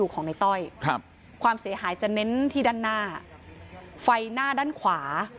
ของในต้อยครับความเสียหายจะเน้นที่ด้านหน้าไฟหน้าด้านขวา